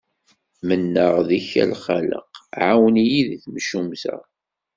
Mennaɣ deg-k a lxaleq, ɛawen-iyi di temcumt-a.